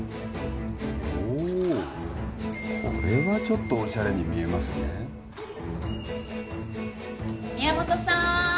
おおこれはちょっとオシャレに見えますね宮本さん